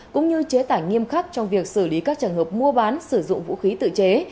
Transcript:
cũng như chế tải nghiêm khắc trong việc xử lý các trường hợp mua bán sử dụng vũ khí tự chế